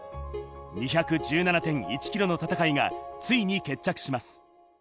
２１７．１ｋｍの戦いがついに決着します。